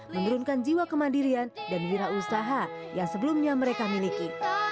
menurunkan jiwa kemandirian dan wira usaha yang sebelumnya mereka miliki